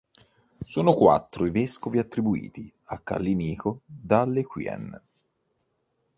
Sono quattro i vescovi attribuiti a Callinico da Lequien.